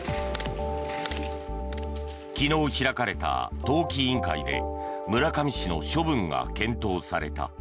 昨日開かれた党紀委員会で村上氏の処分が検討された。